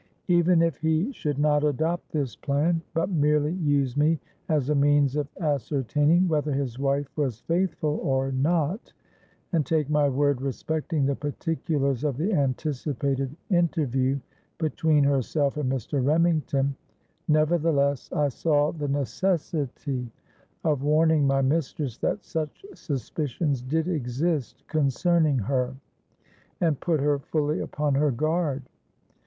Even if he should not adopt this plan, but merely use me as a means of ascertaining whether his wife was faithful or not, and take my word respecting the particulars of the anticipated interview between herself and Mr. Remington,—nevertheless, I saw the necessity of warning my mistress that such suspicions did exist concerning her, and put her fully upon her guard.